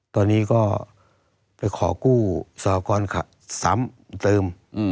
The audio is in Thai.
ตอนนี้ก็ไปขอกู้สากรซ้ำเติม